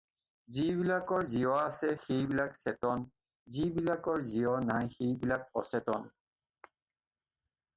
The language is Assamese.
যিবিলাকৰ জীৱ আছে সেই বিলাক চেতন, যিবিলাকৰ জীৱ নাই সেই বিলাক অচেতন